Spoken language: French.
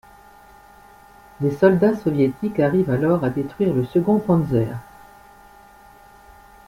Les soldats soviétiques arrivent alors à détruire le second Panzer.